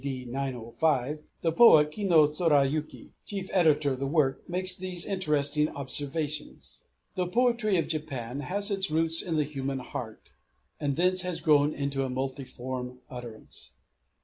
D. 905), the poet Ki no Tsurayuki, chief editor of the work, makes these interesting observations: "The poetry of Japan has its roots in the human heart, and thence has grown into a multi form utterance.